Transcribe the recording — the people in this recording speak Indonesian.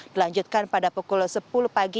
dilanjutkan pada pukul sepuluh pagi